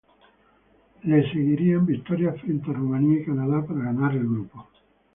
Le seguirían victorias frente a Rumania y Canadá para ganar el grupo.